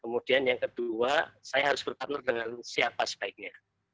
kemudian yang kedua saya harus berpartner dengan siapa sebaiknya